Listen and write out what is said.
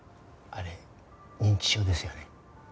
あれ認知症ですよね？